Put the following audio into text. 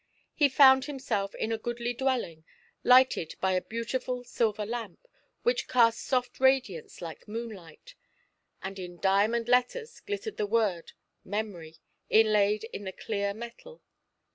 He found himself in a goodly dwelling, lighted by a beautiful silver lamp, which cast soft radiance like moonlight; and in diamond letters glittered the word "Memory," inlaid in the clear metal.